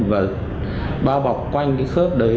và bao bọc quanh cái khớp đấy